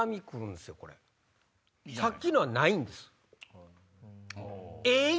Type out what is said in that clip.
さっきのはないんです。